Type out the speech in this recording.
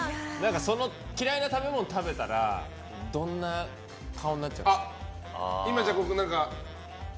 嫌いな食べ物食べたらどんな顔になっちゃうんですか？